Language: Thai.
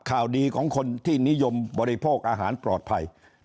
ข่าวดีของคนที่นิยมบริโภคอาหารปลอดภัย